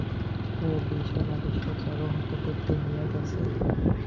এই ভীষণ আবিষ্কারে চারু হতবুদ্ধি হইয়া গেছে।